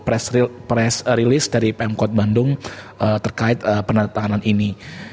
press release dari pmkot bandung terkait penerapanan ini